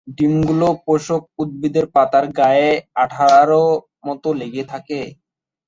ডিমগুলো পোষক উদ্ভিদের পাতার গায়ে আঠারো মতো লেগে থাকে।